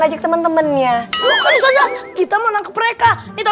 aja temen temennya kita mau nangkep mereka